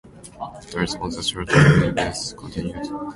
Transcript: Darts on the shorter wheelbase continued.